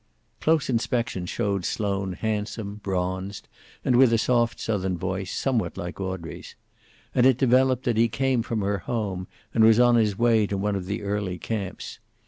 Close inspection showed Sloane handsome, bronzed, and with a soft Southern voice, somewhat like Audrey's. And it developed that he came from her home, and was on his way to one of the early camps.